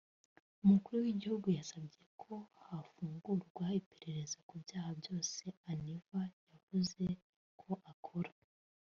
Umukuru w’Iguhugu yasabye ko hafungurwa iperereza ku byaha byose Aniva yavuze ko akora